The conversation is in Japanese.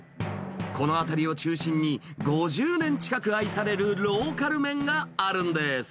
この辺りを中心に５０年近く愛されるローカル麺があるんです。